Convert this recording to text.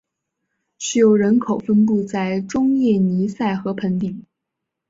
使用人口分布在中叶尼塞河盆地。